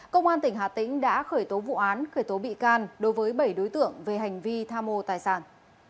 công an tỉnh hà tĩnh đã khởi tố vụ án khởi tố bị can đối với bảy đối tượng về hành vi tham mô tài sản